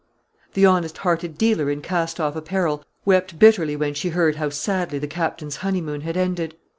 The honest hearted dealer in cast off apparel wept bitterly when she heard how sadly the Captain's honeymoon had ended.